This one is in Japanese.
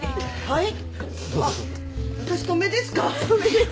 はい。